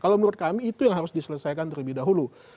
kalau menurut kami itu yang harus diselesaikan terlebih dahulu